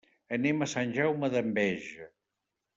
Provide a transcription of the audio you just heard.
Anem a Sant Jaume d'Enveja.